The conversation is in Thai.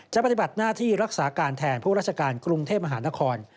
ปฏิบัติหน้าที่รักษาการแทนผู้ราชการกรุงเทพมหานคร